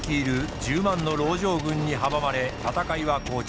１０万の籠城軍に阻まれ戦いは膠着。